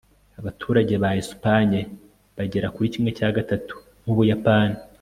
abaturage ba espagne bagera kuri kimwe cya gatatu nk'ubuyapani